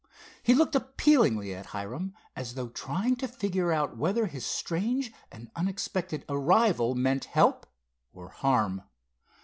He looked appealingly at Hiram, as though trying to figure out whether his strange and unexpected arrival meant help or harm.